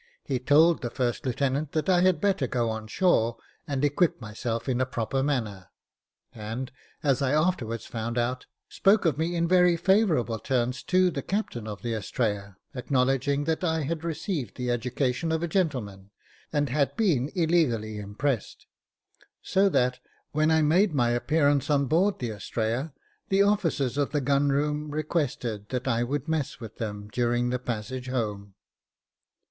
Ke told the first lieutenant that I had better go on shore, and equip myself in a proper manner ; and, as I afterwards found out, spoke of me in very favourable terms to the captain of the Astrea, acknowledging that I had received the education of a gentleman, and had been illegally impressed ; so that, when I made my appearance on board the Astrea, the officers of the gun room requested that I would mess with them during the passage home.